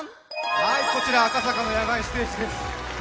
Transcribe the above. はい、こちら赤坂の野外ステージです。